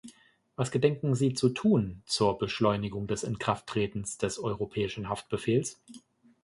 Was gedenken Sie zu tun zur Beschleunigung des Inkrafttretens des europäischen Haftbefehls?